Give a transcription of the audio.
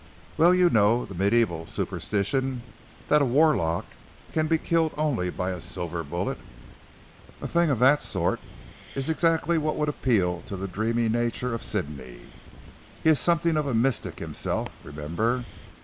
"Well you know the mediæval superstition that a warlock can be killed only by a silver bullet. A thing of that sort, is exactly what would appeal to the dreamy nature of Sidney. He is something of a mystic himself remember.